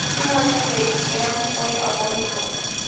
El último año de Cream fue agónico.